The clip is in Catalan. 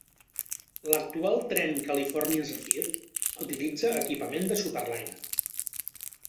L'actual tren "California Zephyr" utilitza equipament de Superliner.